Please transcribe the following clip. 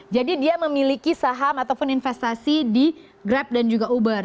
jadi dia memiliki saham ataupun investasi di grab dan juga uber